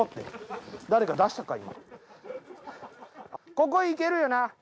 ここいけるよな？